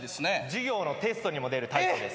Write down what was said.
授業のテストにも出る体操です。